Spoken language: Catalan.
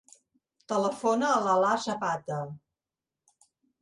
Telefona a l'Alaa Zapata.